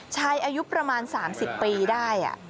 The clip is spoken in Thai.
ชายอายุประมาณ๓๐ปีได้อ่ะ